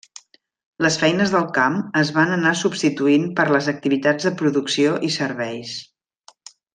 Les feines del camp es van anar substituint per les activitats de producció i serveis.